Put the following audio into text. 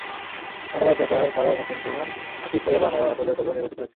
অর্ণব আইচ সরকার, ফারাজ হাসিন সুহান, আতিফ তৈয়্যেবা আনোয়ার আঁচলের ছবিও নির্বাচিত হয়েছে।